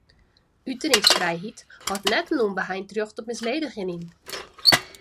Uteringsfrijheid hâldt net in ûnbeheind rjocht op misledigjen yn.